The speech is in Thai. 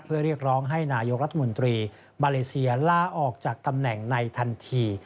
เพื่อเรียกร้องให้นายกรัฐมนตรีมาเลเซียลาออกจากตำแหน่งในทันที